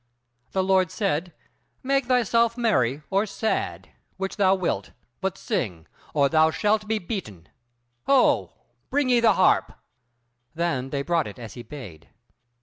The lord said: "Make thyself merry or sad, which thou wilt; but sing, or thou shalt be beaten. Ho! Bring ye the harp." Then they brought it as he bade.